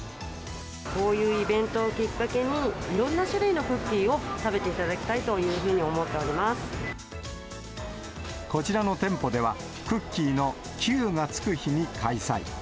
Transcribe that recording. こういうイベントをきっかけに、いろんな種類のクッキーを食べていただきたいというふうに思ってこちらの店舗では、クッキーの９がつく日に開催。